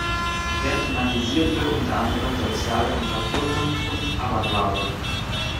Er thematisierte unter anderem soziale Unterdrückung und Aberglaube.